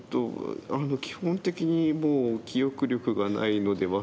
基本的にもう記憶力がないので忘れる。